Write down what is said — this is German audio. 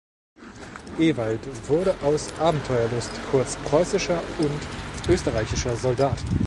Ewald wurde aus Abenteuerlust kurz preußischer und österreichischer Soldat.